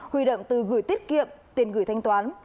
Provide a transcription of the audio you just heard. huy động từ gửi tiết kiệm tiền gửi thanh toán